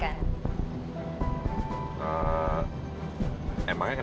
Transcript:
kamu juga nggak mau kemas sakit kan